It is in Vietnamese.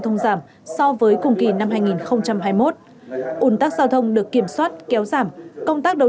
thông giảm so với cùng kỳ năm hai nghìn hai mươi một ủn tắc giao thông được kiểm soát kéo giảm công tác đấu